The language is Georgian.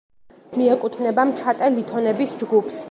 მიეკუთვნება მჩატე ლითონების ჯგუფს.